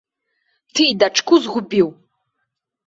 Ты і дачку згубіў!